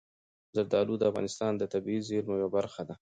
زردالو د افغانستان د طبیعي زیرمو یوه برخه ده.